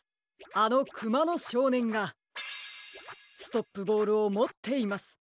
あのクマの少年がストップボールをもっています。